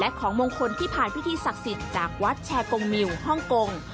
ของมงคลที่ผ่านพิธีศักดิ์สิทธิ์จากวัดแชร์กงมิวฮ่องกง